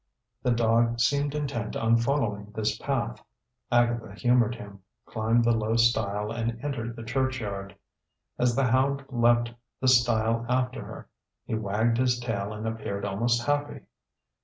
The dog seemed intent on following this path. Agatha humored him, climbed the low stile and entered the churchyard. As the hound leaped the stile after her, he wagged his tail and appeared almost happy.